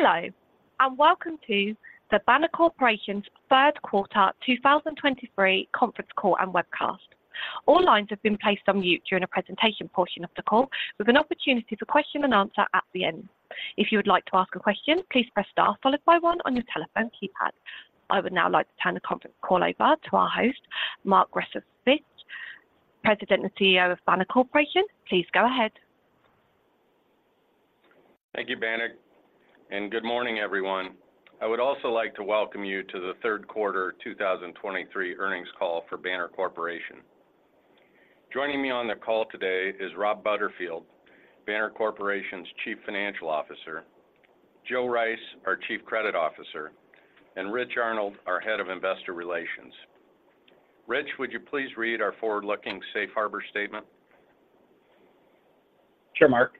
Hello, and welcome to the Banner Corporation's Q3 2023 conference call and webcast. All lines have been placed on mute during the presentation portion of the call, with an opportunity for question and answer at the end. If you would like to ask a question, please press star followed by one on your telephone keypad. I would now like to turn the conference call over to our host, Mark Grescovich, President and CEO of Banner Corporation. Please go ahead. Thank you, Banner, and good morning, everyone. I would also like to welcome you to the Q3 2023 earnings call for Banner Corporation. Joining me on the call today is Rob Butterfield, Banner Corporation's Chief Financial Officer, Jill Rice, our Chief Credit Officer, and Rich Arnold, our Head of Investor Relations. Rich, would you please read our forward-looking safe harbor statement? Sure, Mark.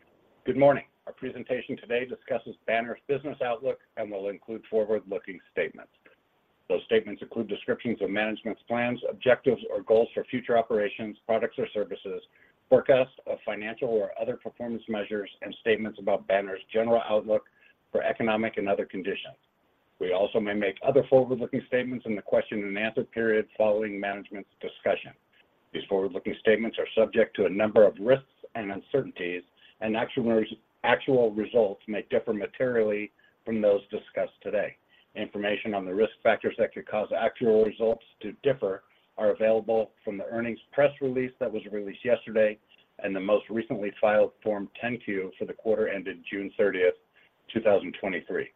Good morning. Our presentation today discusses Banner's business outlook and will include forward-looking statements. Those statements include descriptions of management's plans, objectives, or goals for future operations, products or services, forecasts of financial or other performance measures, and statements about Banner's general outlook for economic and other conditions. We also may make other forward-looking statements in the question and answer period following management's discussion. These forward-looking statements are subject to a number of risks and uncertainties, and actual results may differ materially from those discussed today. Information on the risk factors that could cause actual results to differ are available from the earnings press release that was released yesterday and the most recently filed Form 10-Q for the quarter ended June 30, 2023.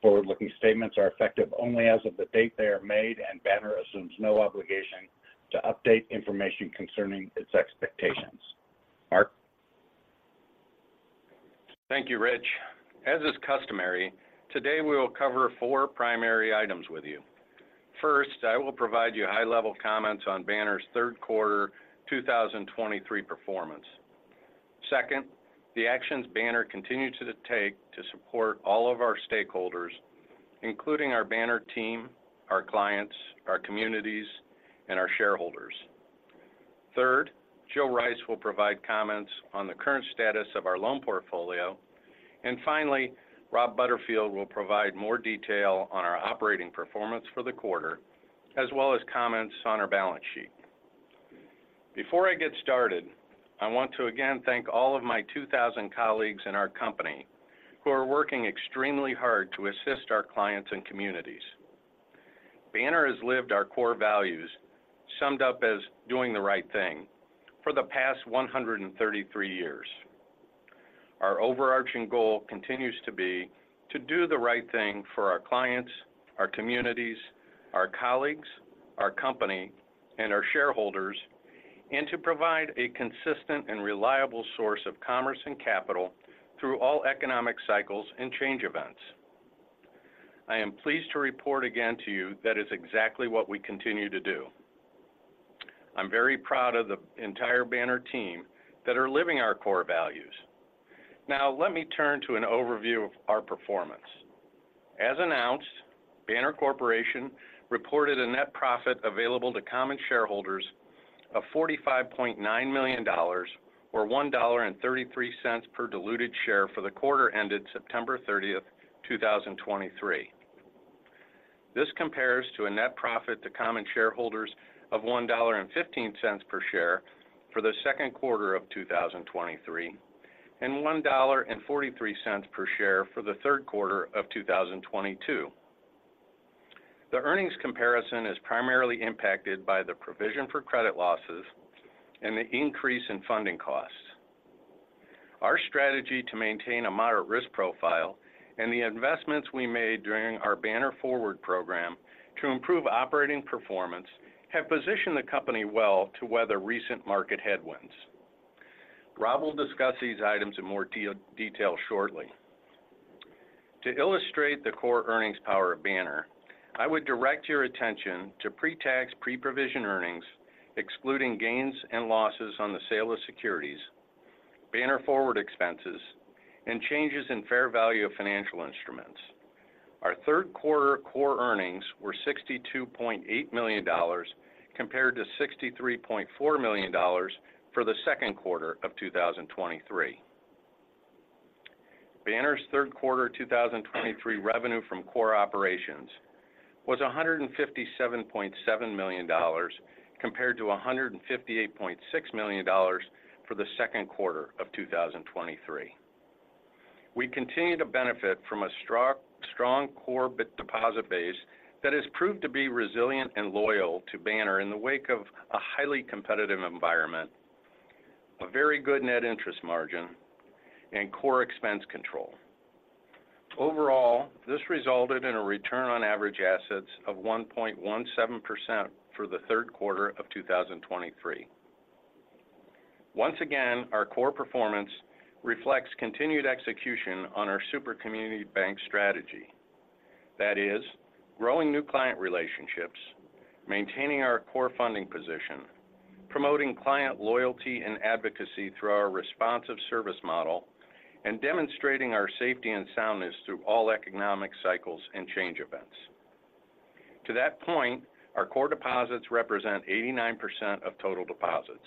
Forward-looking statements are effective only as of the date they are made, and Banner assumes no obligation to update information concerning its expectations. Mark? Thank you, Rich. As is customary, today we will cover four primary items with you. First, I will provide you high-level comments on Banner's Q3 2023 performance. Second, the actions Banner continues to take to support all of our stakeholders, including our Banner team, our clients, our communities, and our shareholders. Third, Jill Rice will provide comments on the current status of our loan portfolio. And finally, Rob Butterfield will provide more detail on our operating performance for the quarter, as well as comments on our balance sheet. Before I get started, I want to again thank all of my 2,000 colleagues in our company who are working extremely hard to assist our clients and communities. Banner has lived our core values, summed up as doing the right thing, for the past 133 years. Our overarching goal continues to be to do the right thing for our clients, our communities, our colleagues, our company, and our shareholders, and to provide a consistent and reliable source of commerce and capital through all economic cycles and change events. I am pleased to report again to you that is exactly what we continue to do. I'm very proud of the entire Banner team that are living our core values. Now, let me turn to an overview of our performance. As announced, Banner Corporation reported a net profit available to common shareholders of $45.9 million or $1.33 per diluted share for the quarter ended September 30, 2023. This compares to a net profit to common shareholders of $1.15 per share for the Q2 of 2023, and $1.43 per share for the Q3 of 2022. The earnings comparison is primarily impacted by the provision for credit losses and the increase in funding costs. Our strategy to maintain a moderate risk profile and the investments we made during our Banner Forward program to improve operating performance have positioned the company well to weather recent market headwinds. Rob will discuss these items in more detail shortly. To illustrate the core earnings power of Banner, I would direct your attention to pre-tax, pre-provision earnings, excluding gains and losses on the sale of securities, Banner Forward expenses, and changes in fair value of financial instruments. Our Q3 core earnings were $62.8 million, compared to $63.4 million for the Q2 of 2023. Banner's Q3 2023 revenue from core operations was $157.7 million, compared to $158.6 million for the Q2 of 2023. We continue to benefit from a strong, strong core deposit base that has proved to be resilient and loyal to Banner in the wake of a highly competitive environment, a very good net interest margin, and core expense control. Overall, this resulted in a return on average assets of 1.17% for the Q3 of 2023. Once again, our core performance reflects continued execution on our super community bank strategy. That is, growing new client relationships, maintaining our core funding position, promoting client loyalty and advocacy through our responsive service model, and demonstrating our safety and soundness through all economic cycles and change events. To that point, our core deposits represent 89% of total deposits.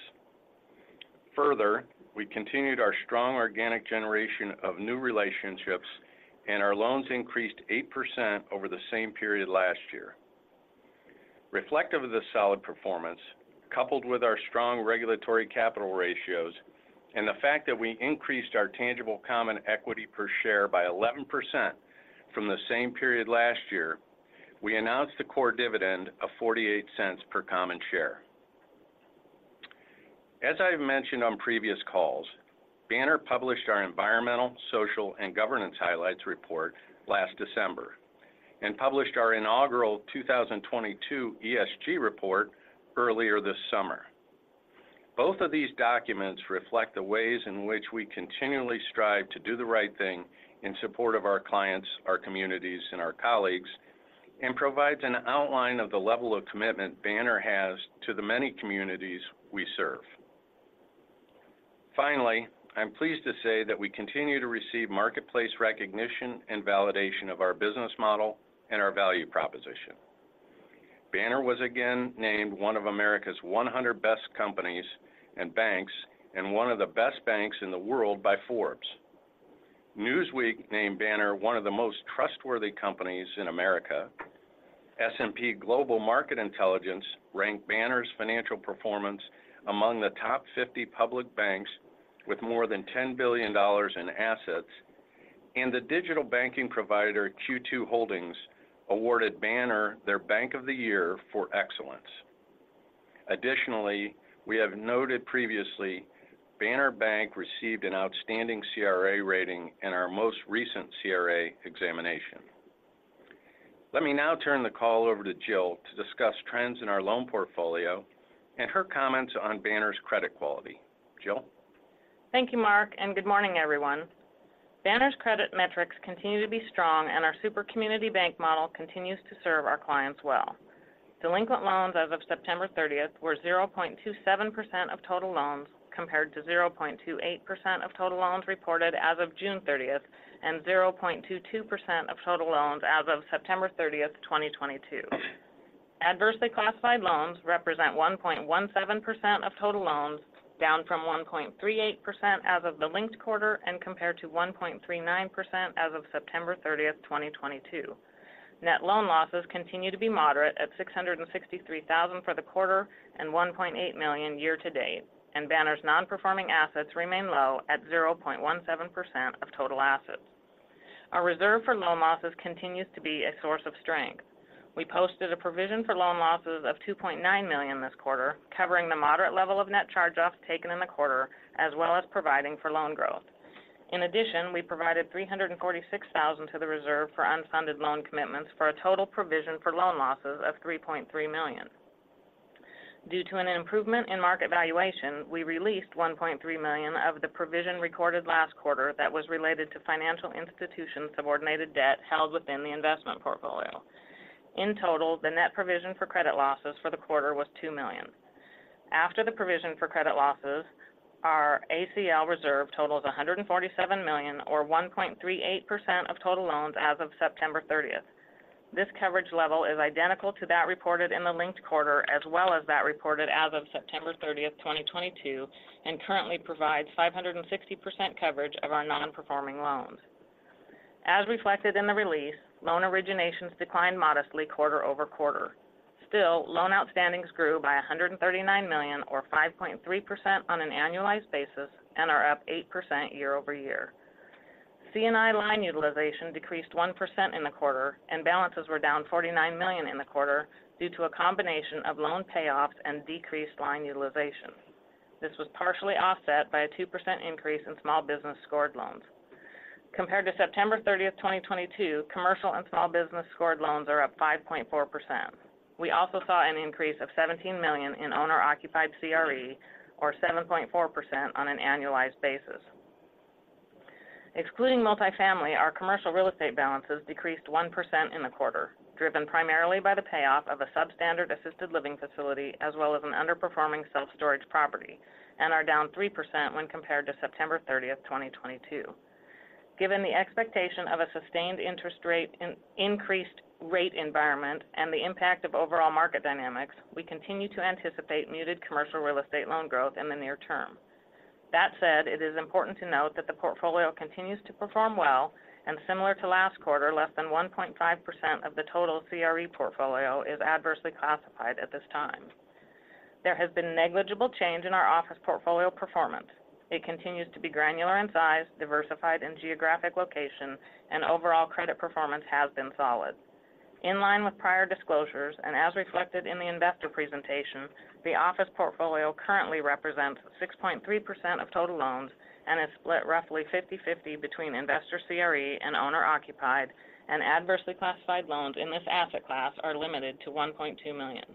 Further, we continued our strong organic generation of new relationships, and our loans increased 8% over the same period last year. Reflective of the solid performance, coupled with our strong regulatory capital ratios and the fact that we increased our tangible common equity per share by 11% from the same period last year, we announced a core dividend of $0.48 per common share. As I've mentioned on previous calls, Banner published our Environmental, Social, and Governance Highlights report last December, and published our inaugural 2022 ESG report earlier this summer. Both of these documents reflect the ways in which we continually strive to do the right thing in support of our clients, our communities, and our colleagues, and provides an outline of the level of commitment Banner has to the many communities we serve. Finally, I'm pleased to say that we continue to receive marketplace recognition and validation of our business model and our value proposition. Banner was again named one of America's 100 best companies and banks, and one of the best banks in the world by Forbes. Newsweek named Banner one of the most trustworthy companies in America. S&P Global Market Intelligence ranked Banner's financial performance among the top 50 public banks with more than $10 billion in assets, and the digital banking provider, Q2 Holdings, awarded Banner their Bank of the Year for excellence. Additionally, we have noted previously, Banner Bank received an outstanding CRA rating in our most recent CRA examination. Let me now turn the call over to Jill to discuss trends in our loan portfolio and her comments on Banner's credit quality. Jill? Thank you, Mark, and good morning, everyone. Banner's credit metrics continue to be strong, and our super community bank model continues to serve our clients well. Delinquent loans as of September 30 were 0.27% of total loans, compared to 0.28% of total loans reported as of June 30, and 0.22% of total loans as of September 30, 2022. Adversely classified loans represent 1.17% of total loans, down from 1.38% as of the linked quarter and compared to 1.39% as of September 30, 2022. Net loan losses continue to be moderate at $663,000 for the quarter and $1.8 million year to date, and Banner's non-performing assets remain low at 0.17% of total assets. Our reserve for loan losses continues to be a source of strength. We posted a provision for loan losses of $2.9 million this quarter, covering the moderate level of net charge-offs taken in the quarter, as well as providing for loan growth. In addition, we provided $346,000 to the reserve for unfunded loan commitments, for a total provision for loan losses of $3.3 million. Due to an improvement in market valuation, we released $1.3 million of the provision recorded last quarter that was related to financial institution subordinated debt held within the investment portfolio. In total, the net provision for credit losses for the quarter was $2 million. After the provision for credit losses, our ACL reserve totals $147 million, or 1.38% of total loans as of September 30. This coverage level is identical to that reported in the linked quarter, as well as that reported as of September 30, 2022, and currently provides 560% coverage of our non-performing loans. As reflected in the release, loan originations declined modestly quarter-over-quarter. Still, loan outstandings grew by $139 million, or 5.3% on an annualized basis, and are up 8% year-over-year. C&I line utilization decreased 1% in the quarter, and balances were down $49 million in the quarter due to a combination of loan payoffs and decreased line utilization. This was partially offset by a 2% increase in small business scored loans. Compared to September 30, 2022, commercial and small business scored loans are up 5.4%. We also saw an increase of $17 million in owner-occupied CRE, or 7.4% on an annualized basis. Excluding multifamily, our commercial real estate balances decreased 1% in the quarter, driven primarily by the payoff of a substandard assisted living facility, as well as an underperforming self-storage property, and are down 3% when compared to September 30, 2022. Given the expectation of a sustained interest rate in increased rate environment and the impact of overall market dynamics, we continue to anticipate muted commercial real estate loan growth in the near term. That said, it is important to note that the portfolio continues to perform well, and similar to last quarter, less than 1.5% of the total CRE portfolio is adversely classified at this time. There has been negligible change in our office portfolio performance. It continues to be granular in size, diversified in geographic location, and overall credit performance has been solid. In line with prior disclosures, and as reflected in the investor presentation, the office portfolio currently represents 6.3% of total loans and is split roughly 50/50 between investor CRE and owner-occupied, and adversely classified loans in this asset class are limited to $1.2 million.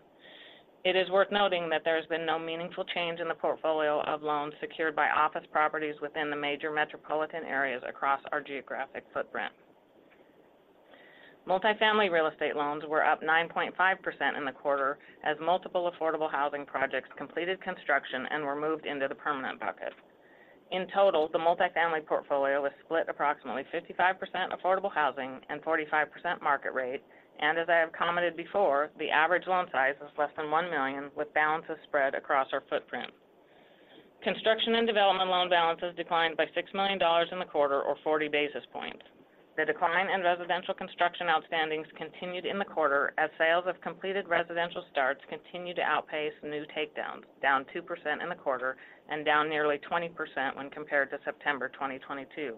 It is worth noting that there has been no meaningful change in the portfolio of loans secured by office properties within the major metropolitan areas across our geographic footprint. Multifamily real estate loans were up 9.5% in the quarter as multiple affordable housing projects completed construction and were moved into the permanent bucket. In total, the multifamily portfolio was split approximately 55% affordable housing and 45% market rate, and as I have commented before, the average loan size is less than $1 million, with balances spread across our footprint. Construction and development loan balances declined by $6 million in the quarter, or 40 basis points. The decline in residential construction outstandings continued in the quarter as sales of completed residential starts continued to outpace new takedowns, down 2% in the quarter and down nearly 20% when compared to September 2022.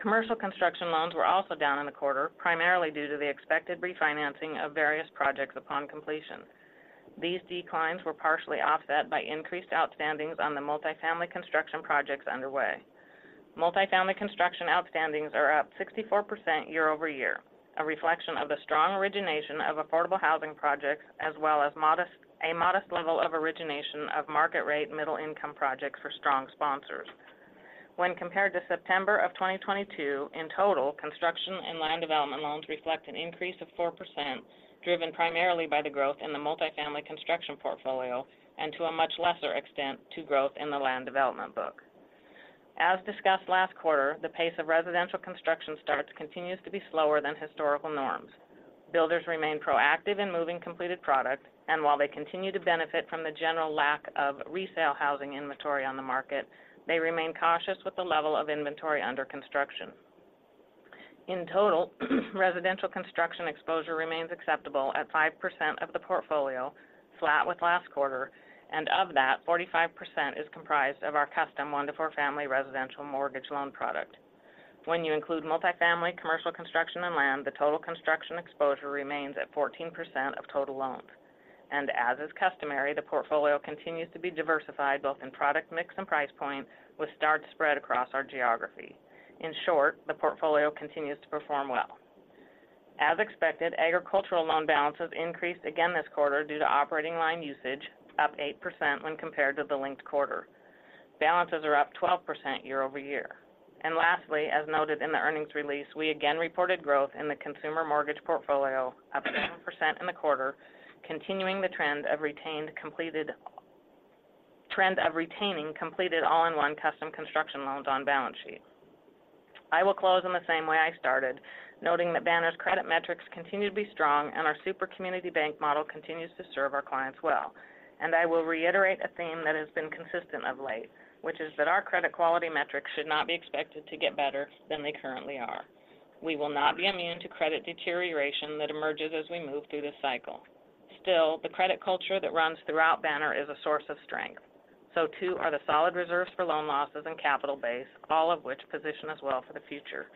Commercial construction loans were also down in the quarter, primarily due to the expected refinancing of various projects upon completion. These declines were partially offset by increased outstandings on the multifamily construction projects underway. Multifamily construction outstandings are up 64% year-over-year, a reflection of the strong origination of affordable housing projects, as well as a modest level of origination of market rate middle-income projects for strong sponsors. When compared to September of 2022, in total, construction and land development loans reflect an increase of 4%, driven primarily by the growth in the multifamily construction portfolio and, to a much lesser extent, growth in the land development book. As discussed last quarter, the pace of residential construction starts continues to be slower than historical norms. Builders remain proactive in moving completed product, and while they continue to benefit from the general lack of resale housing inventory on the market, they remain cautious with the level of inventory under construction. In total, residential construction exposure remains acceptable at 5% of the portfolio, flat with last quarter, and of that, 45% is comprised of our custom 1-4 family residential mortgage loan product. When you include multifamily, commercial construction and land, the total construction exposure remains at 14% of total loans. As is customary, the portfolio continues to be diversified both in product mix and price point, with starts spread across our geography. In short, the portfolio continues to perform well. As expected, agricultural loan balances increased again this quarter due to operating line usage, up 8% when compared to the linked quarter. Balances are up 12% year-over-year. And lastly, as noted in the earnings release, we again reported growth in the consumer mortgage portfolio, up 7% in the quarter, continuing the trend of retaining completed All-in-One custom construction loans on balance sheet. I will close in the same way I started, noting that Banner's credit metrics continue to be strong and our super community bank model continues to serve our clients well. And I will reiterate a theme that has been consistent of late, which is that our credit quality metrics should not be expected to get better than they currently are. We will not be immune to credit deterioration that emerges as we move through this cycle. Still, the credit culture that runs throughout Banner is a source of strength. So too are the solid reserves for loan losses and capital base, all of which position us well for the future.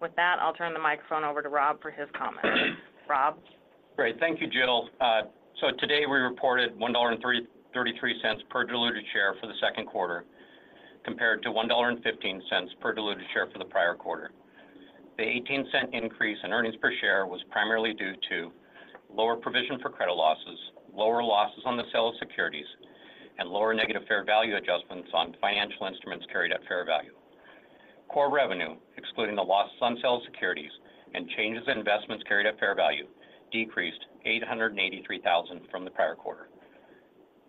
With that, I'll turn the microphone over to Rob for his comments. Rob? Great. Thank you, Jill. So today we reported $1.33 per diluted share for the Q2, compared to $1.15 per diluted share for the prior quarter. The $0.18 increase in earnings per share was primarily due to lower provision for credit losses, lower losses on the sale of securities, and lower negative fair value adjustments on financial instruments carried at fair value. Core revenue, excluding the losses on sale of securities and changes in investments carried at fair value, decreased $883,000 from the prior quarter,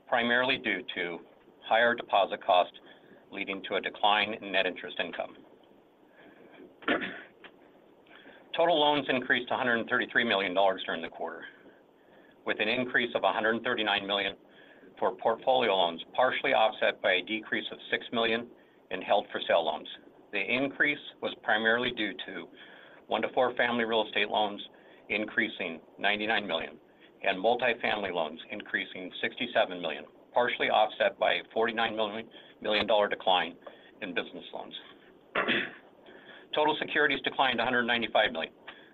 primarily due to higher deposit costs leading to a decline in net interest income. Total loans increased to $133 million during the quarter, with an increase of $139 million for portfolio loans, partially offset by a decrease of $6 million in held-for-sale loans. The increase was primarily due to 1-4 family real estate loans increasing $99 million and multifamily loans increasing $67 million, partially offset by a $49 million decline in business loans. Total securities declined to $195 million.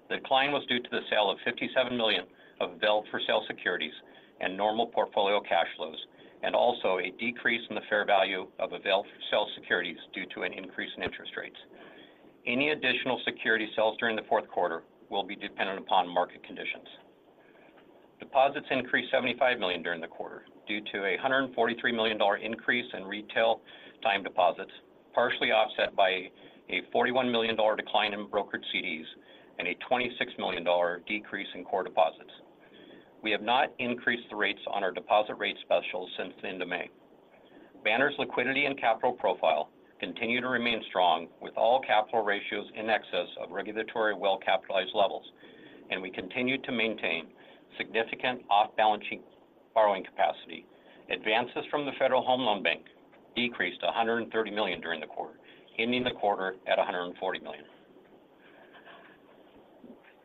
The decline was due to the sale of $57 million of available-for-sale securities and normal portfolio cash flows, and also a decrease in the fair value of available-for-sale securities due to an increase in interest rates. Any additional security sales during the Q4 will be dependent upon market conditions. Deposits increased $75 million during the quarter, due to a $143 million increase in retail time deposits, partially offset by a $41 million decline in brokered CDs and a $26 million decrease in core deposits. We have not increased the rates on our deposit rate specials since the end of May. Banner's liquidity and capital profile continue to remain strong, with all capital ratios in excess of regulatory well-capitalized levels, and we continue to maintain significant off-balance sheet borrowing capacity. Advances from the Federal Home Loan Bank decreased to $130 million during the quarter, ending the quarter at $140 million.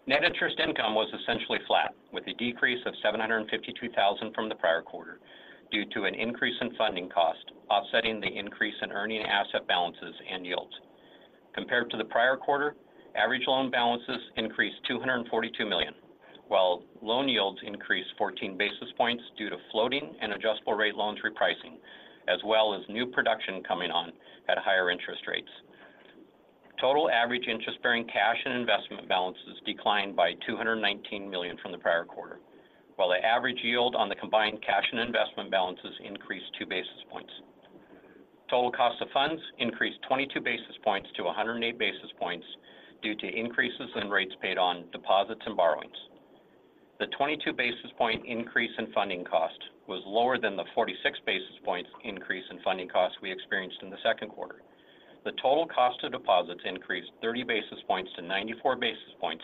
Net interest income was essentially flat, with a decrease of $752,000 from the prior quarter due to an increase in funding cost, offsetting the increase in earning asset balances and yields. Compared to the prior quarter, average loan balances increased $242 million, while loan yields increased 14 basis points due to floating and adjustable rate loans repricing, as well as new production coming on at higher interest rates. Total average interest-bearing cash and investment balances declined by $219 million from the prior quarter, while the average yield on the combined cash and investment balances increased 2 basis points. Total cost of funds increased 22 basis points to 108 basis points due to increases in rates paid on deposits and borrowings. The 22 basis point increase in funding cost was lower than the 46 basis points increase in funding costs we experienced in the Q2. The total cost of deposits increased 30 basis points to 94 basis points,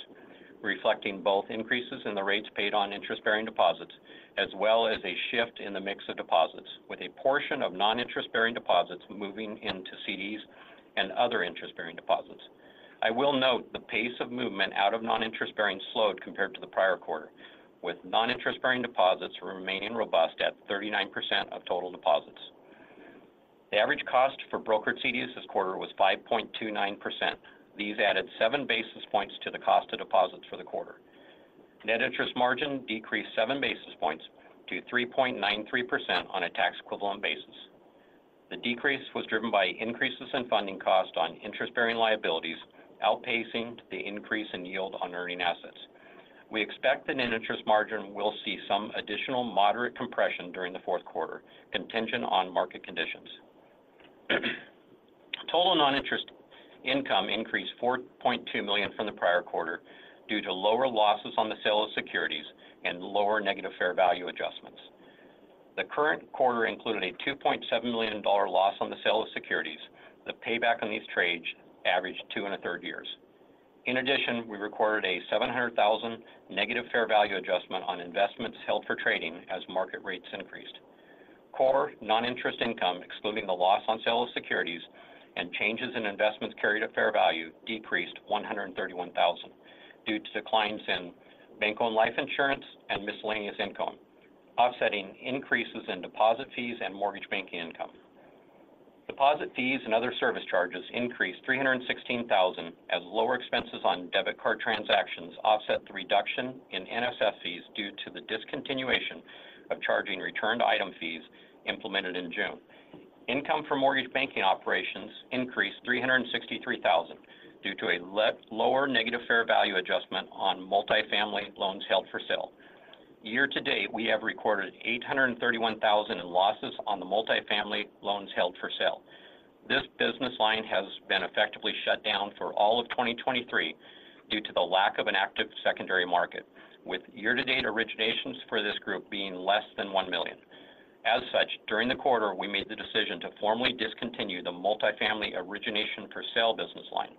reflecting both increases in the rates paid on interest-bearing deposits, as well as a shift in the mix of deposits, with a portion of non-interest-bearing deposits moving into CDs and other interest-bearing deposits. I will note the pace of movement out of non-interest-bearing slowed compared to the prior quarter, with non-interest-bearing deposits remaining robust at 39% of total deposits. The average cost for brokered CDs this quarter was 5.29%. These added seven basis points to the cost of deposits for the quarter. Net interest margin decreased seven basis points to 3.93% on a tax equivalent basis. The decrease was driven by increases in funding cost on interest-bearing liabilities, outpacing the increase in yield on earning assets. We expect the net interest margin will see some additional moderate compression during the Q4, contingent on market conditions. Total non-interest income increased $4.2 million from the prior quarter due to lower losses on the sale of securities and lower negative fair value adjustments. The current quarter included a $2.7 million loss on the sale of securities. The payback on these trades averaged 2 and a third years. In addition, we recorded a $700,000 negative fair value adjustment on investments held for trading as market rates increased. Core non-interest income, excluding the loss on sale of securities and changes in investments carried at fair value, decreased $131,000 due to declines in bank-owned life insurance and miscellaneous income, offsetting increases in deposit fees and mortgage banking income. Deposit fees and other service charges increased $316,000, as lower expenses on debit card transactions offset the reduction in NSF fees due to the discontinuation of charging returned item fees implemented in June. Income from mortgage banking operations increased $363,000 due to a lower negative fair value adjustment on multifamily loans held for sale. Year to date, we have recorded $831,000 in losses on the multifamily loans held for sale. This business line has been effectively shut down for all of 2023 due to the lack of an active secondary market, with year-to-date originations for this group being less than $1 million. As such, during the quarter, we made the decision to formally discontinue the multifamily origination for sale business line.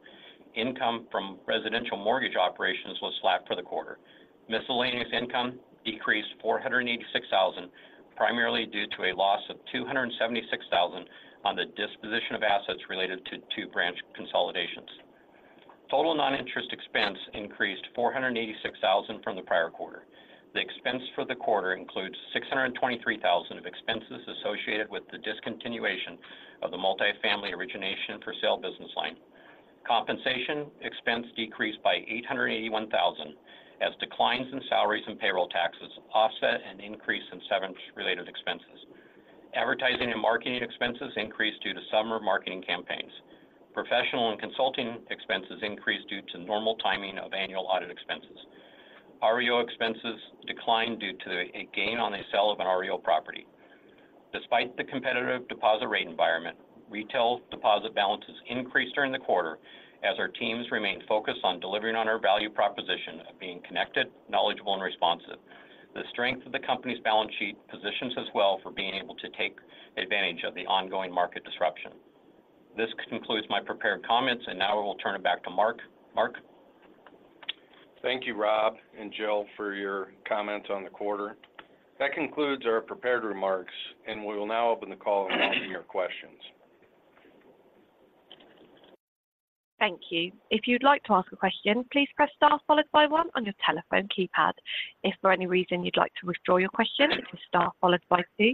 Income from residential mortgage operations was flat for the quarter. Miscellaneous income decreased $486,000, primarily due to a loss of $276,000 on the disposition of assets related to two branch consolidations. Total non-interest expense increased $486,000 from the prior quarter. The expense for the quarter includes $623,000 of expenses associated with the discontinuation of the multifamily origination for sale business line. Compensation expense decreased by $881,000, as declines in salaries and payroll taxes offset an increase in severance-related expenses. Advertising and marketing expenses increased due to summer marketing campaigns. Professional and consulting expenses increased due to normal timing of annual audit expenses. REO expenses declined due to a gain on the sale of an REO property. Despite the competitive deposit rate environment, retail deposit balances increased during the quarter as our teams remained focused on delivering on our value proposition of being connected, knowledgeable, and responsive. The strength of the company's balance sheet positions us well for being able to take advantage of the ongoing market disruption. This concludes my prepared comments, and now I will turn it back to Mark. Mark? Thank you, Rob and Jill, for your comments on the quarter. That concludes our prepared remarks, and we will now open the call and answer your questions. Thank you. If you'd like to ask a question, please press star followed by one on your telephone keypad. If for any reason you'd like to withdraw your question, it's star followed by two.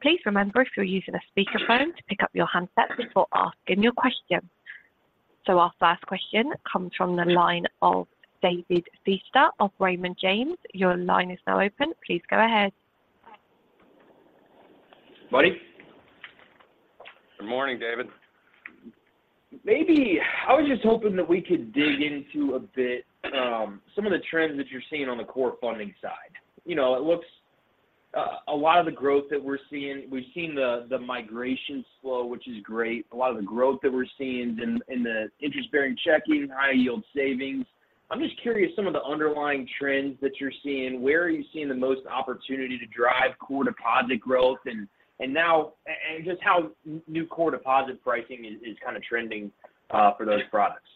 Please remember, if you're using a speakerphone, to pick up your handset before asking your question. So our first question comes from the line of David Feaster of Raymond James. Your line is now open. Please go ahead. Buddy. Good morning, David. Maybe I was just hoping that we could dig into a bit, some of the trends that you're seeing on the core funding side. You know, it looks, a lot of the growth that we're seeing... We've seen the migration slow, which is great. A lot of the growth that we're seeing in the interest-bearing checking, high yield savings. I'm just curious, some of the underlying trends that you're seeing, where are you seeing the most opportunity to drive core deposit growth? And just how new core deposit pricing is kind of trending, for those products.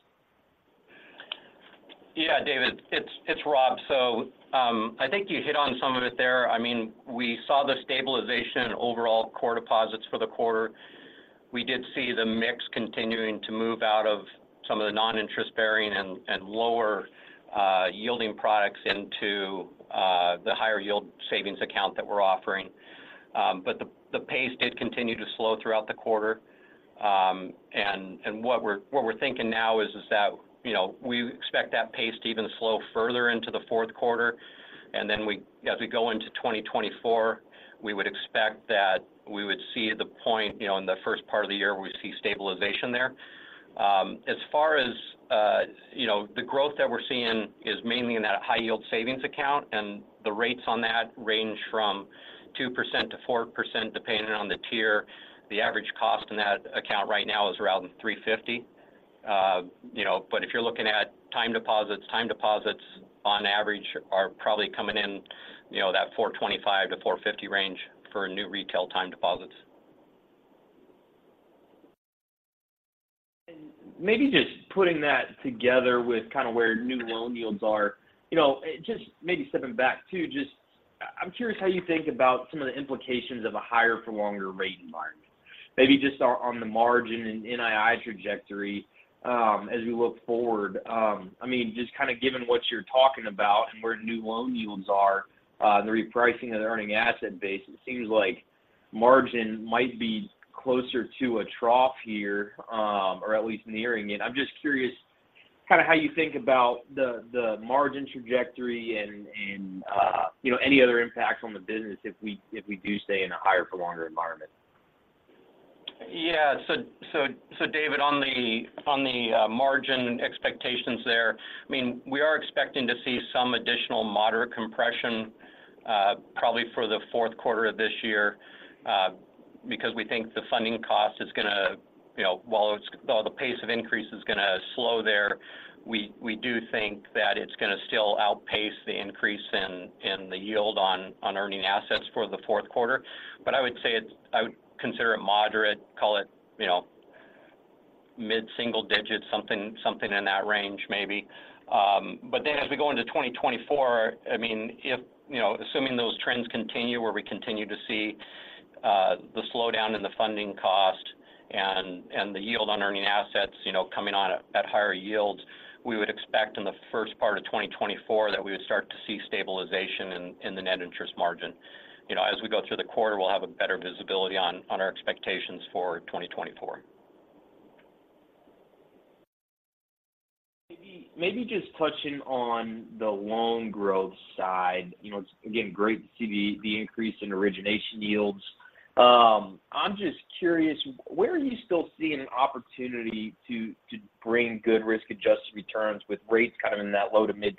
Yeah, David, it's Rob. So, I think you hit on some of it there. I mean, we saw the stabilization overall core deposits for the quarter. We did see the mix continuing to move out of some of the non-interest-bearing and lower yielding products into the higher yield savings account that we're offering. But the pace did continue to slow throughout the quarter. And what we're thinking now is that, you know, we expect that pace to even slow further into the Q4. And then as we go into 2024, we would expect that we would see the point, you know, in the first part of the year, where we see stabilization there. As far as, you know, the growth that we're seeing is mainly in that high yield savings account, and the rates on that range from 2% to 4%, depending on the tier. The average cost in that account right now is around 3.50%. You know, but if you're looking at time deposits, time deposits on average are probably coming in, you know, that 4.25%-4.50% range for new retail time deposits. Maybe just putting that together with kind of where new loan yields are. You know, just maybe stepping back too, I'm curious how you think about some of the implications of a higher for longer rate environment. Maybe just on the margin and NII trajectory as we look forward. I mean, just kind of given what you're talking about and where new loan yields are, the repricing of the earning asset base, it seems like margin might be closer to a trough here or at least nearing it. I'm just curious kind of how you think about the margin trajectory and you know, any other impacts on the business if we do stay in a higher for longer environment. Yeah. So, David, on the margin expectations there, I mean, we are expecting to see some additional moderate compression, probably for the Q4 of this year, because we think the funding cost is going to, you know, while it's, though the pace of increase is going to slow there, we do think that it's going to still outpace the increase in the yield on earning assets for the Q4. But I would say it's. I would consider it moderate, call it, you know, mid-single digits, something in that range, maybe. But then as we go into 2024, I mean, if, you know, assuming those trends continue, where we continue to see, the slowdown in the funding cost and, and the yield on earning assets, you know, coming on at higher yields, we would expect in the first part of 2024 that we would start to see stabilization in, in the net interest margin. You know, as we go through the quarter, we'll have a better visibility on, on our expectations for 2024. Maybe, maybe just touching on the loan growth side. You know, it's again great to see the increase in origination yields. I'm just curious, where are you still seeing an opportunity to bring good risk-adjusted returns with rates kind of in that low-to-mid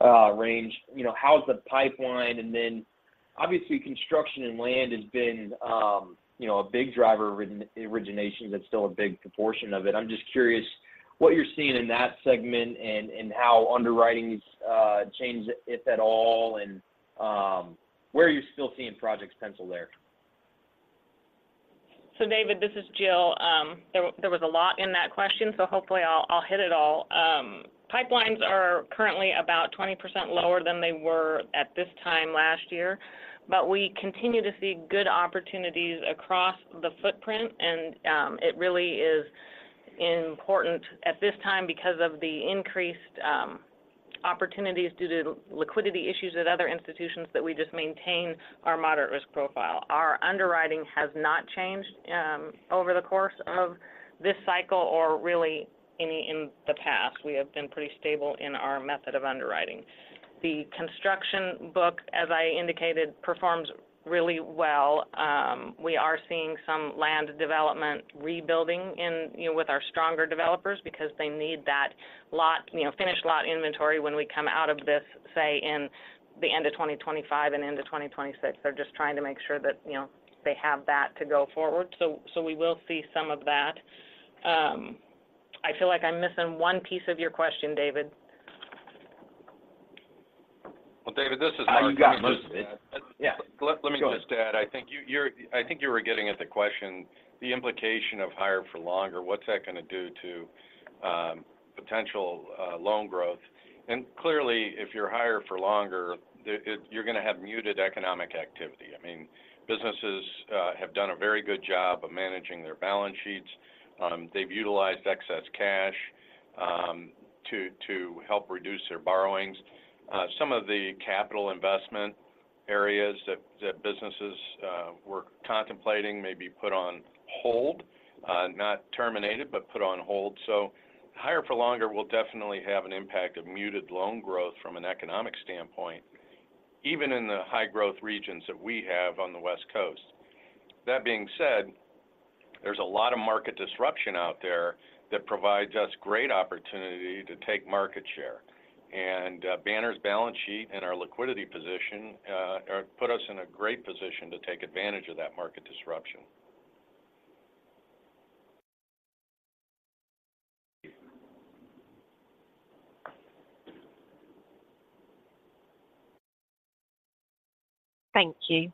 8% range? You know, how's the pipeline? And then obviously, construction and land has been you know, a big driver in originations, and still a big proportion of it. I'm just curious what you're seeing in that segment and how underwriting's changed, if at all, and where are you still seeing projects pencil there? So David, this is Jill. There was a lot in that question, so hopefully I'll, I'll hit it all. Pipelines are currently about 20% lower than they were at this time last year, but we continue to see good opportunities across the footprint, and it really is important at this time because of the increased opportunities due to liquidity issues at other institutions, that we just maintain our moderate risk profile. Our underwriting has not changed over the course of this cycle or really any in the past. We have been pretty stable in our method of underwriting. The construction book, as I indicated, performs really well. We are seeing some land development rebuilding in, you know, with our stronger developers because they need that lot, you know, finished lot inventory when we come out of this, say, in the end of 2025 and into 2026. They're just trying to make sure that, you know, they have that to go forward. So, so we will see some of that. I feel like I'm missing one piece of your question, David. Well, David, this is Mark. You got most of it. Yeah. Let me just add, I think you're—I think you were getting at the question, the implication of higher for longer, what's that going to do to potential loan growth? And clearly, if you're higher for longer, it—you're going to have muted economic activity. I mean, businesses have done a very good job of managing their balance sheets. They've utilized excess cash to help reduce their borrowings. Some of the capital investment areas that businesses were contemplating may be put on hold, not terminated, but put on hold. So higher for longer will definitely have an impact of muted loan growth from an economic standpoint, even in the high growth regions that we have on the West Coast. That being said, there's a lot of market disruption out there that provides us great opportunity to take market share. And, Banner's balance sheet and our liquidity position put us in a great position to take advantage of that market disruption. Thank you.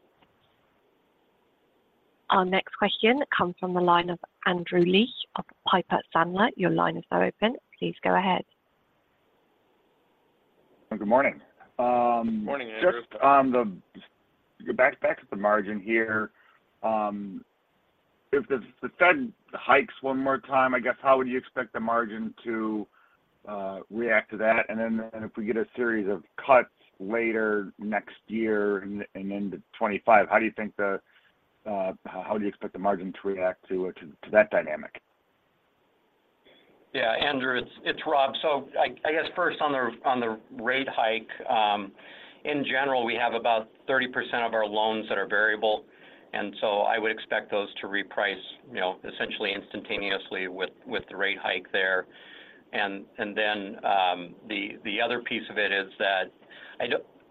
Our next question comes from the line of Andrew Liesch of Piper Sandler. Your line is now open. Please go ahead. Good morning. Morning, Andrew. Just on the back, back to the margin here. If the Fed hikes one more time, I guess, how would you expect the margin to react to that? And then, if we get a series of cuts later next year and into 2025, how do you expect the margin to react to that dynamic? Yeah, Andrew, it's Rob. So I guess first on the rate hike, in general, we have about 30% of our loans that are variable, and so I would expect those to reprice, you know, essentially instantaneously with the rate hike there. And then, the other piece of it is that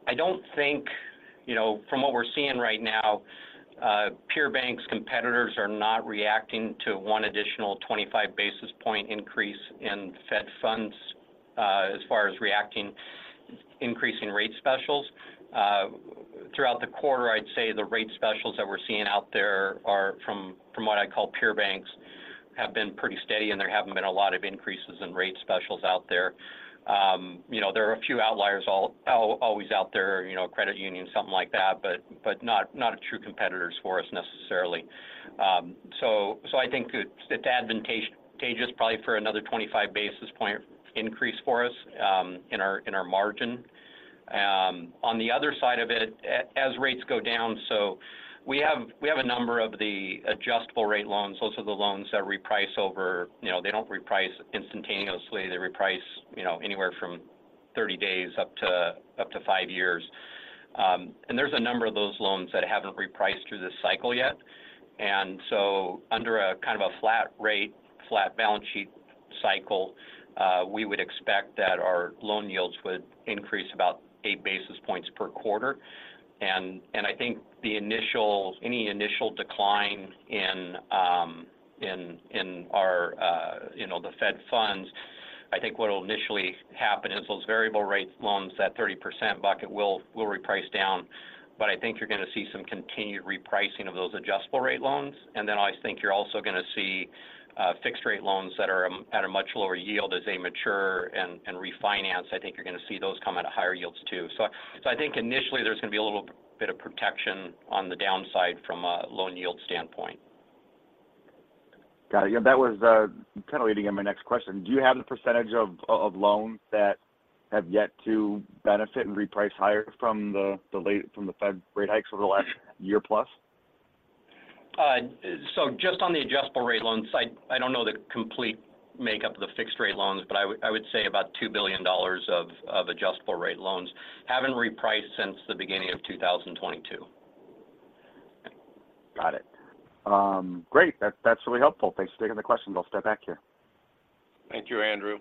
I don't think, you know, from what we're seeing right now, peer banks, competitors are not reacting to one additional 25 basis point increase in Fed funds, as far as reacting, increasing rate specials. Throughout the quarter, I'd say the rate specials that we're seeing out there are from what I call peer banks, have been pretty steady, and there haven't been a lot of increases in rate specials out there. You know, there are a few outliers always out there, you know, credit unions, something like that, but not true competitors for us necessarily. So I think it's advantageous probably for another 25 basis point increase for us, in our margin. On the other side of it, as rates go down, so we have a number of the adjustable rate loans. Those are the loans that reprice over... You know, they don't reprice instantaneously. They reprice, you know, anywhere from 30 days up to 5 years. And there's a number of those loans that haven't repriced through this cycle yet. And so under a kind of a flat rate, flat balance sheet cycle, we would expect that our loan yields would increase about 8 basis points per quarter. I think any initial decline in our, you know, the Fed funds. I think what will initially happen is those variable rate loans, that 30% bucket will reprice down. But I think you're going to see some continued repricing of those adjustable rate loans. And then I think you're also going to see fixed rate loans that are at a much lower yield as they mature and refinance. I think you're going to see those come at higher yields, too. I think initially there's going to be a little bit of protection on the downside from a loan yield standpoint. Got it. Yeah, that was kind of leading in my next question. Do you have the percentage of loans that have yet to benefit and reprice higher from the Fed rate hikes over the last year plus? So just on the adjustable rate loans, I don't know the complete makeup of the fixed rate loans, but I would say about $2 billion of adjustable rate loans haven't repriced since the beginning of 2022. Got it. Great. That's, that's really helpful. Thanks for taking the question. I'll step back here. Thank you, Andrew.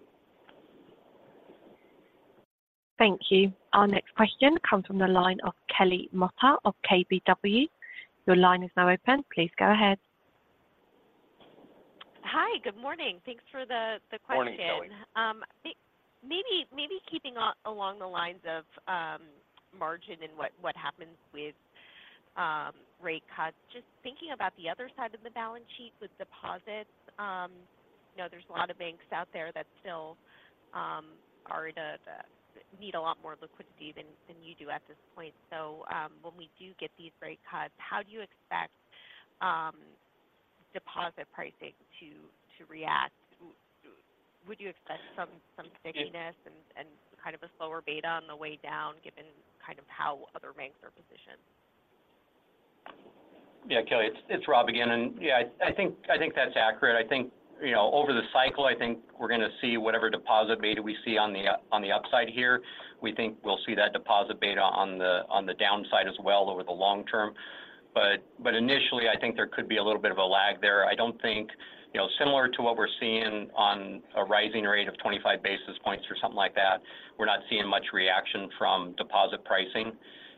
Thank you. Our next question comes from the line of Kelly Motta of KBW. Your line is now open. Please go ahead. Hi, good morning. Thanks for the question. Morning, Kelly. Maybe keeping on along the lines of margin and what happens with rate cuts. Just thinking about the other side of the balance sheet with deposits, you know, there's a lot of banks out there that still are to need a lot more liquidity than you do at this point. So, when we do get these rate cuts, how do you expect deposit pricing to react? Would you expect some stickiness and kind of a slower beta on the way down, given kind of how other banks are positioned? Yeah, Kelly, it's Rob again. And yeah, I think that's accurate. I think, you know, over the cycle, I think we're going to see whatever deposit beta we see on the upside here. We think we'll see that deposit beta on the downside as well over the long term. But initially, I think there could be a little bit of a lag there. I don't think, you know, similar to what we're seeing on a rising rate of 25 basis points or something like that, we're not seeing much reaction from deposit pricing,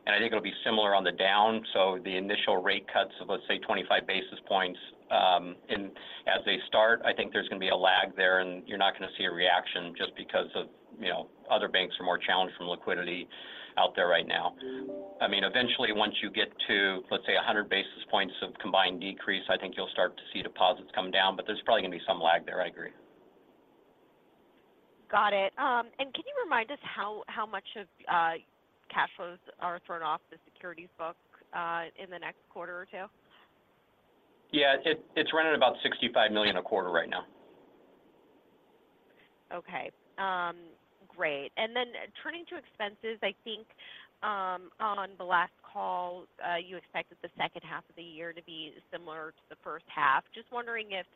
and I think it'll be similar on the down. So the initial rate cuts of, let's say, 25 basis points, and as they start, I think there's going to be a lag there, and you're not going to see a reaction just because of, you know, other banks are more challenged from liquidity out there right now. I mean, eventually, once you get to, let's say, 100 basis points of combined decrease, I think you'll start to see deposits come down, but there's probably going to be some lag there. I agree. Got it. Can you remind us how much of cash flows are thrown off the securities book in the next quarter or two? Yeah. It's running about $65 million a quarter right now. Okay. Great. And then turning to expenses, I think, on the last call, you expected the H2 of the year to be similar to the H1. Just wondering if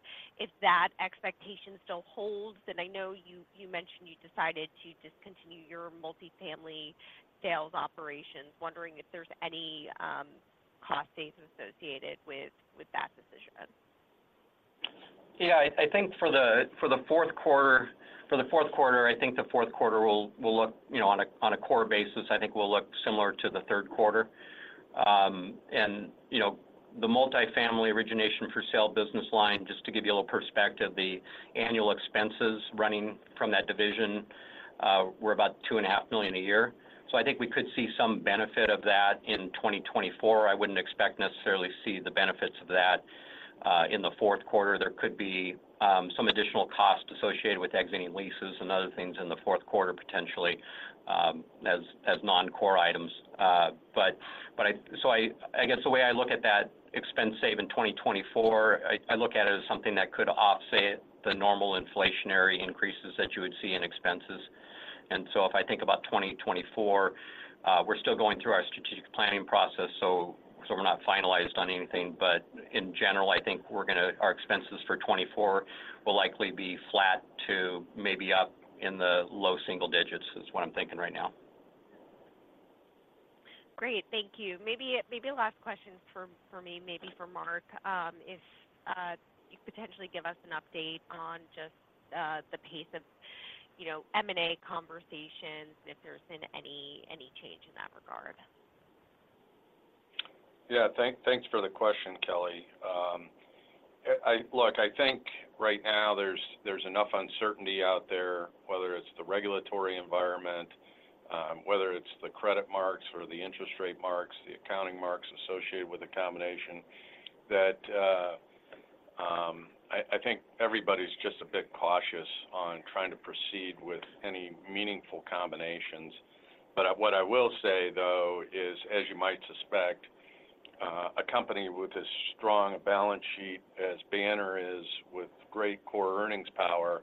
that expectation still holds. And I know you mentioned you decided to discontinue your multifamily sales operations. Wondering if there's any cost saves associated with that decision. Yeah, I think for the Q4, I think the Q4 will look, you know, on a core basis, I think will look similar to the Q3. And, you know, the multifamily origination for sale business line, just to give you a little perspective, the annual expenses running from that division were about $2.5 million a year. So I think we could see some benefit of that in 2024. I wouldn't expect necessarily to see the benefits of that in the Q4. There could be some additional costs associated with exiting leases and other things in the Q4, potentially, as non-core items. But so I guess the way I look at that expense save in 2024, I look at it as something that could offset the normal inflationary increases that you would see in expenses. And so if I think about 2024, we're still going through our strategic planning process, so we're not finalized on anything. But in general, I think we're going to our expenses for 2024 will likely be flat to maybe up in the low single digits, is what I'm thinking right now.... Great. Thank you. Maybe a last question for me, maybe for Mark. If you could potentially give us an update on just the pace of, you know, M&A conversations, if there's been any change in that regard? Yeah, thanks for the question, Kelly. Look, I think right now there's enough uncertainty out there, whether it's the regulatory environment, whether it's the credit marks or the interest rate marks, the accounting marks associated with the combination, that I think everybody's just a bit cautious on trying to proceed with any meaningful combinations. But what I will say, though, is, as you might suspect, a company with as strong a balance sheet as Banner is, with great core earnings power,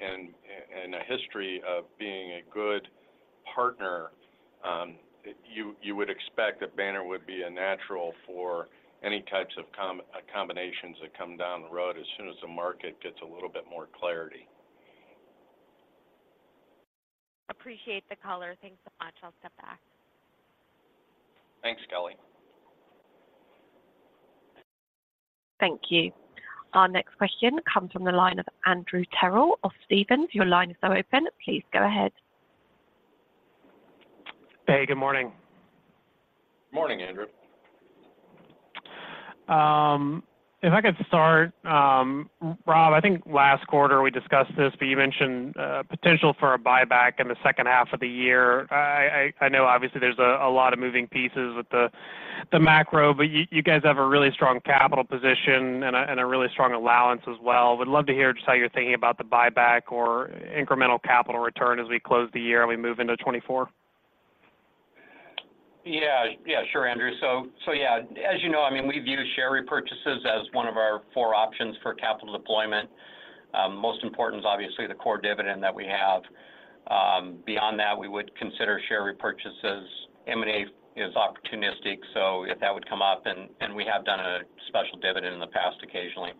and a history of being a good partner, you would expect that Banner would be a natural for any types of combinations that come down the road as soon as the market gets a little bit more clarity. Appreciate the color. Thanks so much. I'll step back. Thanks, Kelly. Thank you. Our next question comes from the line of Andrew Terrell of Stephens. Your line is now open. Please go ahead. Hey, good morning. Morning, Andrew. If I could start, Rob, I think last quarter we discussed this, but you mentioned potential for a buyback in the H2 of the year. I know obviously there's a lot of moving pieces with the macro, but you guys have a really strong capital position and a really strong allowance as well. Would love to hear just how you're thinking about the buyback or incremental capital return as we close the year and we move into 2024. Yeah. Yeah, sure, Andrew. So, so yeah, as you know, I mean, we view share repurchases as one of our four options for capital deployment. Most important is obviously the core dividend that we have. Beyond that, we would consider share repurchases. M&A is opportunistic, so if that would come up, and we have done a special dividend in the past occasionally.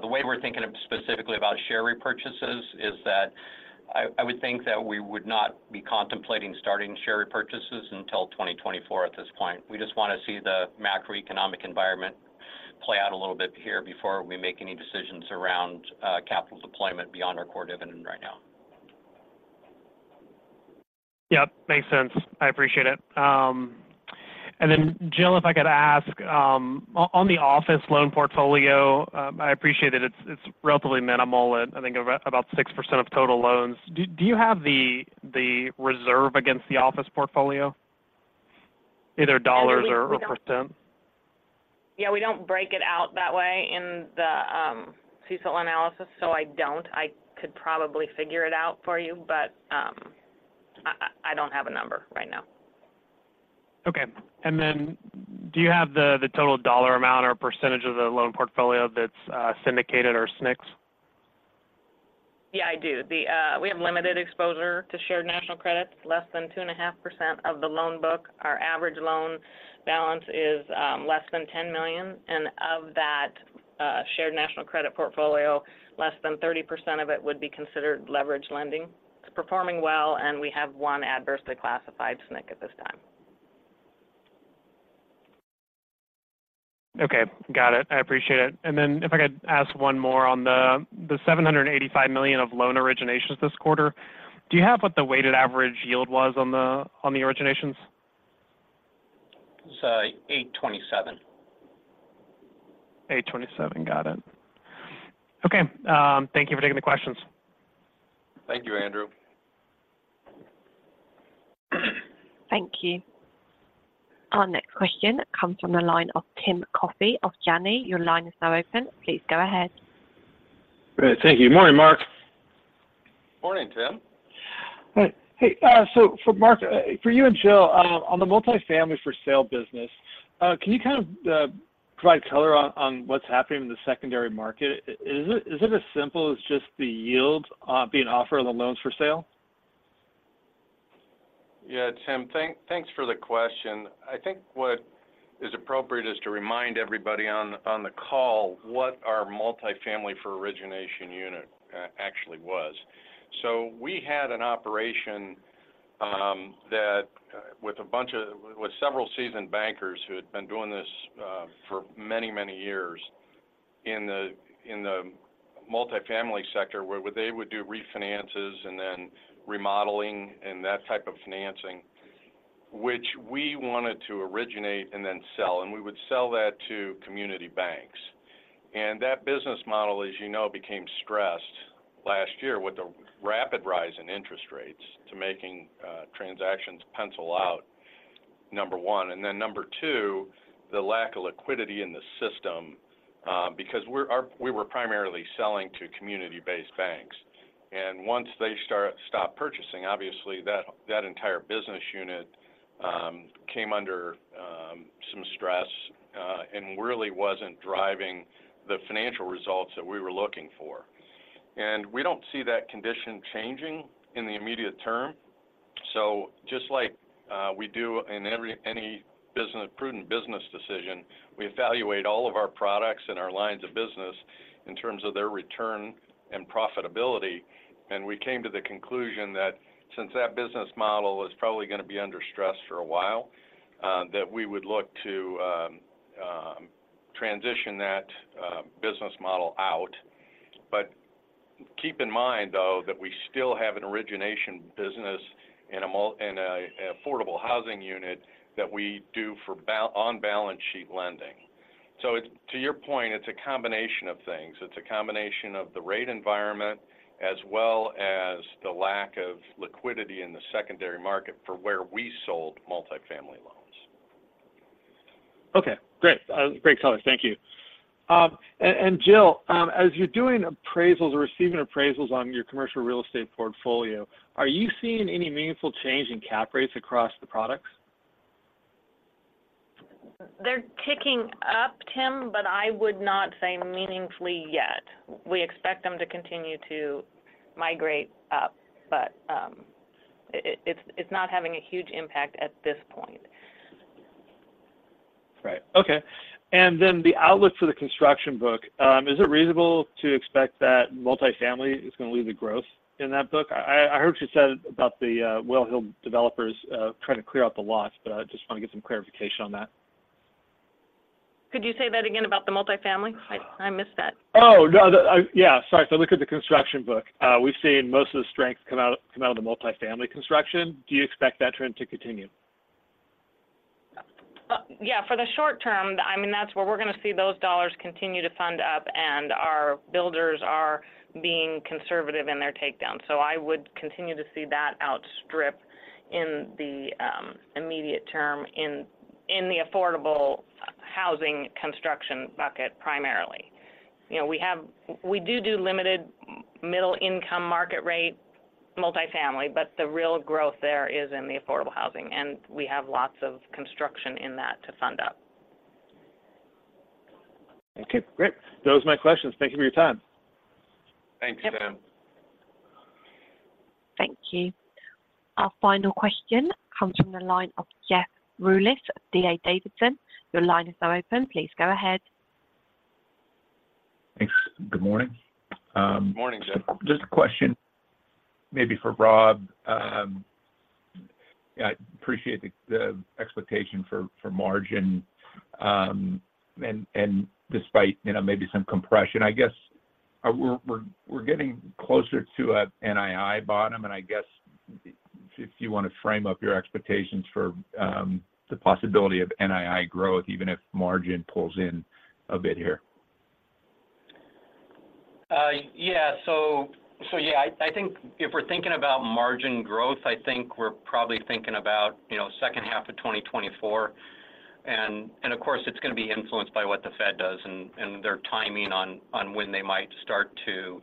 The way we're thinking specifically about share repurchases is that I would think that we would not be contemplating starting share repurchases until 2024 at this point. We just want to see the macroeconomic environment play out a little bit here before we make any decisions around, capital deployment beyond our core dividend right now. Yep, makes sense. I appreciate it. And then, Jill, if I could ask, on the office loan portfolio, I appreciate that it's relatively minimal. I think about 6% of total loans. Do you have the reserve against the office portfolio, either dollars or percent? Yeah, we don't break it out that way in the CECL analysis, so I don't. I could probably figure it out for you, but I don't have a number right now. Okay. And then do you have the total dollar amount or percentage of the loan portfolio that's syndicated or SNCs? Yeah, I do. The, we have limited exposure to Shared National Credits, less than 2.5% of the loan book. Our average loan balance is, less than $10 million, and of that, shared national credit portfolio, less than 30% of it would be considered leveraged lending. It's performing well, and we have one adversely classified SNC at this time. Okay, got it. I appreciate it. And then if I could ask one more on the $785 million of loan originations this quarter, do you have what the weighted average yield was on the originations? It's 8:27. 8:27. Got it. Okay, thank you for taking the questions. Thank you, Andrew. Thank you. Our next question comes from the line of Tim Coffey of Janney. Your line is now open. Please go ahead. Great. Thank you. Morning, Mark. Morning, Tim. Hey, hey, so for Mark, for you and Jill, on the multifamily for sale business, can you kind of provide color on what's happening in the secondary market? Is it as simple as just the yields being offered on the loans for sale? Yeah, Tim, thanks for the question. I think what is appropriate is to remind everybody on the call what our multifamily for origination unit actually was. So we had an operation that with several seasoned bankers who had been doing this for many, many years in the multifamily sector, where they would do refinances and then remodeling and that type of financing, which we wanted to originate and then sell, and we would sell that to community banks. And that business model, as you know, became stressed last year with the rapid rise in interest rates to making transactions pencil out, number one. And then number two, the lack of liquidity in the system, because we were primarily selling to community-based banks. Once they stop purchasing, obviously, that entire business unit came under some stress and really wasn't driving the financial results that we were looking for. We don't see that condition changing in the immediate term. So just like we do in every business, prudent business decision, we evaluate all of our products and our lines of business in terms of their return and profitability. We came to the conclusion that since that business model is probably going to be under stress for a while, that we would look to transition that business model out. But keep in mind, though, that we still have an origination business in an affordable housing unit that we do for on balance sheet lending. So to your point, it's a combination of things. It's a combination of the rate environment as well as the lack of liquidity in the secondary market for where we sold multifamily loans. Okay, great. Great color. Thank you. And Jill, as you're doing appraisals or receiving appraisals on your commercial real estate portfolio, are you seeing any meaningful change in cap rates across the products? They're ticking up, Tim, but I would not say meaningfully yet. We expect them to continue to migrate up, but it's not having a huge impact at this point. Right. Okay. And then the outlook for the construction book, is it reasonable to expect that multifamily is going to lead the growth in that book? I heard you said about the well-heeled developers, trying to clear out the lots, but I just want to get some clarification on that. Could you say that again about the multifamily? I, I missed that. Yeah, sorry. So look at the construction book. We've seen most of the strength come out of the multifamily construction. Do you expect that trend to continue? Yeah, for the short term, I mean, that's where we're going to see those dollars continue to fund up, and our builders are being conservative in their takedown. So I would continue to see that outstrip in the immediate term in the affordable housing construction bucket, primarily. You know, we have we do do limited middle-income market rate multifamily, but the real growth there is in the affordable housing, and we have lots of construction in that to fund up. Okay, great. Those are my questions. Thank you for your time. Thanks, Tim. Yep. Thank you. Our final question comes from the line of Jeff Rulis of D.A. Davidson. Your line is now open. Please go ahead. Thanks. Good morning. Good morning, Jeff. Just a question, maybe for Rob. I appreciate the expectation for margin, and despite, you know, maybe some compression. I guess we're getting closer to an NII bottom, and I guess if you want to frame up your expectations for the possibility of NII growth, even if margin pulls in a bit here. Yeah. So yeah, I think if we're thinking about margin growth, I think we're probably thinking about, you know, H2 of 2024. And of course, it's going to be influenced by what the Fed does and their timing on when they might start to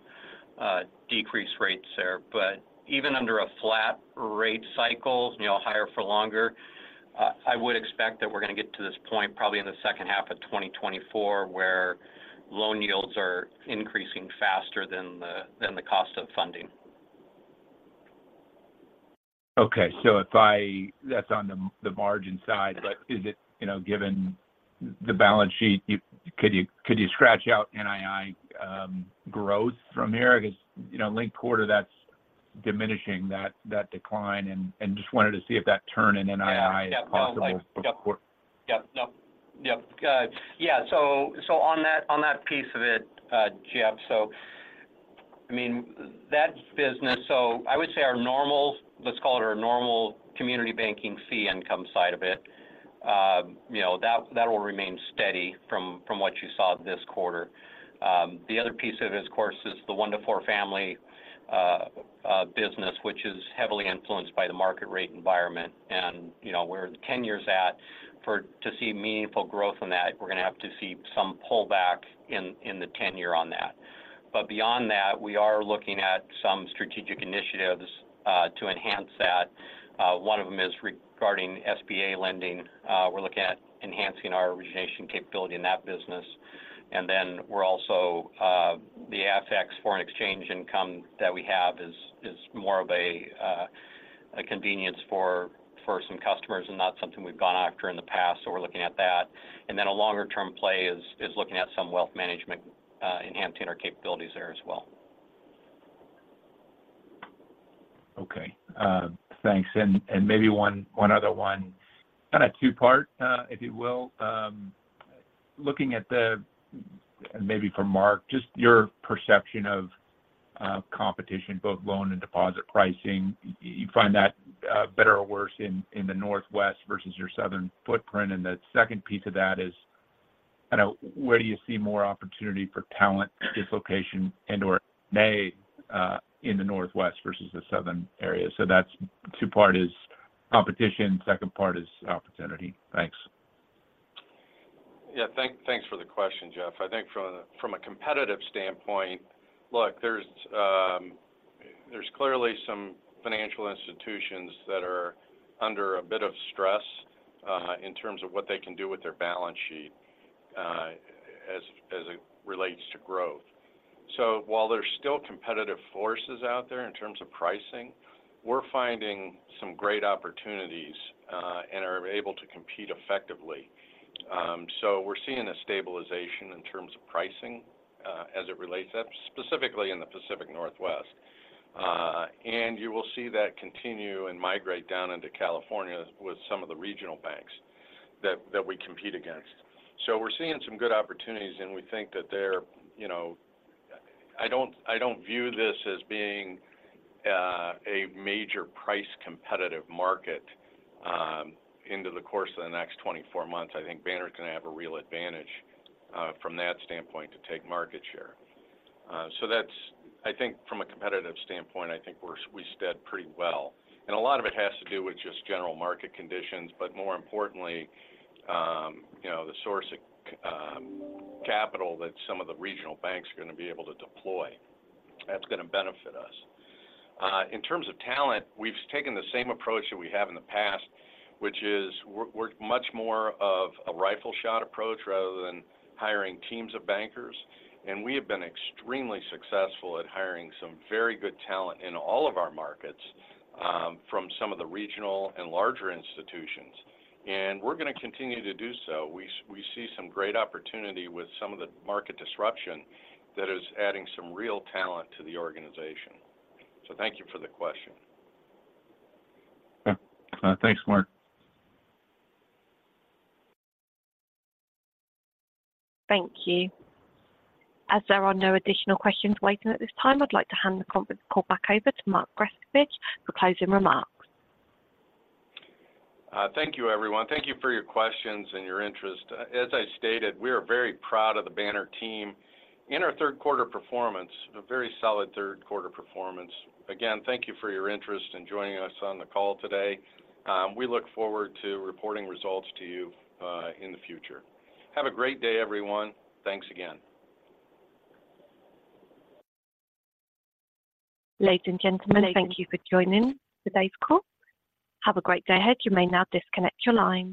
decrease rates there. But even under a flat rate cycle, you know, higher for longer, I would expect that we're going to get to this point probably in the H2 of 2024, where loan yields are increasing faster than the cost of funding. Okay. So if I, that's on the margin side. But is it, you know, given the balance sheet, could you scratch out NII growth from here? Because, you know, linked quarter, that's diminishing that decline and just wanted to see if that turn in NII is possible for- Yeah. No. Yep. Yeah. Yeah. So, so on that, on that piece of it, Jeff, so I mean, that business... So I would say our normal, let's call it our normal community banking fee income side of it, you know, that, that will remain steady from, from what you saw this quarter. The other piece of it, of course, is the 1-4 family business, which is heavily influenced by the market rate environment. And, you know, where the 10-year's at, for to see meaningful growth on that, we're going to have to see some pullback in, in the 10-year on that. But beyond that, we are looking at some strategic initiatives to enhance that. One of them is regarding SBA lending. We're looking at enhancing our origination capability in that business. And then we're also the AFEX foreign exchange income that we have is more of a convenience for some customers and not something we've gone after in the past. So we're looking at that. And then a longer-term play is looking at some wealth management, enhancing our capabilities there as well. Okay, thanks. And maybe one other one, kind of two-part, if you will. Looking at the, maybe for Mark, just your perception of competition, both loan and deposit pricing, you find that better or worse in the Northwest versus your Southern footprint? And the second piece of that is, I know, where do you see more opportunity for talent dislocation and/or today in the Northwest versus the Southern area? So that's two-part is competition, second part is opportunity. Thanks. Yeah. Thanks for the question, Jeff. I think from a competitive standpoint, look, there's clearly some financial institutions that are under a bit of stress in terms of what they can do with their balance sheet, as it relates to growth. So while there's still competitive forces out there in terms of pricing, we're finding some great opportunities and are able to compete effectively. So we're seeing a stabilization in terms of pricing as it relates, specifically in the Pacific Northwest. And you will see that continue and migrate down into California with some of the regional banks that we compete against. So we're seeing some good opportunities, and we think that they're, you know, I don't view this as being a major price competitive market into the course of the next 24 months. I think Banner is going to have a real advantage from that standpoint to take market share. So that's, I think from a competitive standpoint, I think we're, we stand pretty well. And a lot of it has to do with just general market conditions, but more importantly, you know, the source of capital that some of the regional banks are going to be able to deploy. That's going to benefit us. In terms of talent, we've taken the same approach that we have in the past, which is we're, we're much more of a rifle shot approach rather than hiring teams of bankers. And we have been extremely successful at hiring some very good talent in all of our markets from some of the regional and larger institutions, and we're going to continue to do so. We see some great opportunity with some of the market disruption that is adding some real talent to the organization. So thank you for the question. Yeah. Thanks, Mark. Thank you. As there are no additional questions waiting at this time, I'd like to hand the conference call back over to Mark Grescovich for closing remarks. Thank you, everyone. Thank you for your questions and your interest. As I stated, we are very proud of the Banner team and our Q3 performance, a very solid Q3 performance. Again, thank you for your interest in joining us on the call today. We look forward to reporting results to you, in the future. Have a great day, everyone. Thanks again. Ladies and gentlemen, thank you for joining today's call. Have a great day ahead. You may now disconnect your lines.